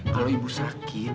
kalau ibu sakit